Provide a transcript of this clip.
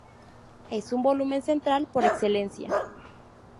Es un volante central por excelencia.